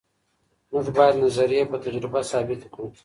موږ باید نظریې په تجربه ثابتې کړو.